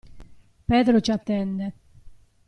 Pedro ci attende.